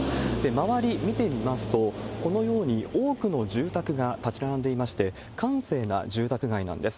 周り見てみますと、このように多くの住宅が立ち並んでいまして、閑静な住宅街なんです。